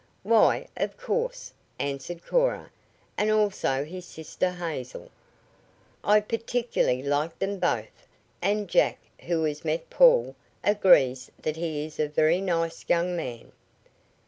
"Why, of course," answered Cora, "and also his sister Hazel. I particularly like them both, and Jack, who has met Paul, agrees that he is a very nice young man."